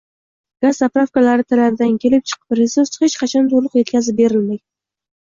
Gaz zapravkalari talabidan kelib chiqib, resurs hech qachon toʻliq yetkazib berilmagan.